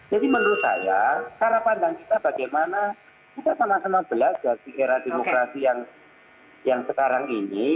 jadi menurut saya cara pandang kita bagaimana kita sama sama belajar sikera demokrasi yang sekarang ini